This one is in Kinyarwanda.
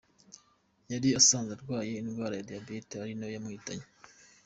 Yari asanzwe arwaye indwara ya diyabete, ari nayo yamuhitanye.